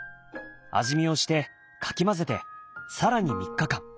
味見をしてかき混ぜて更に３日間。